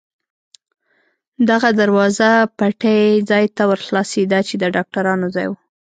دغه دروازه پټۍ ځای ته ور خلاصېده، چې د ډاکټرانو ځای و.